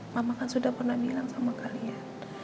mama kan sudah pernah bilang sama kalian